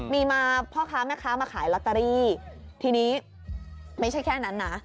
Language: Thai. มีมาพ่อค้าแม่ค้ามาขายลอตเตอรี่ทีนี้ไม่ใช่แค่นั้นนะ